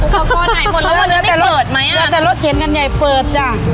กลับมาหายไปหมดแล้วไม่เปิดมั้ยอ่ะแล้วแต่รถเขียนกันใหญ่เปิดจ้ะ